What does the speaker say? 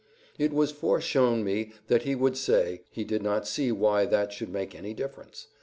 It was foreshown me that he would say, He did not see why that should make any difference.